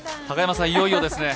高山さん、いよいよです。